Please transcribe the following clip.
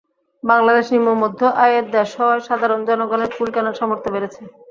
বাংলাদেশ নিম্নমধ্য আয়ের দেশ হওয়ায় সাধারণ জনগণের ফুল কেনার সামর্থ্য বেড়েছে।